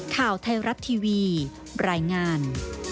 ข่าวไทยรัฐทีวีรายงาน